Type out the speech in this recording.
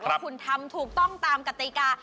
ว่าคุณทำถูกต้องตามกติกา